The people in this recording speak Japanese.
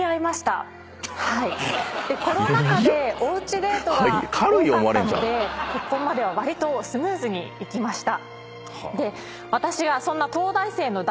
コロナ禍でおうちデートが多かったので結婚まではわりとスムーズにいきました。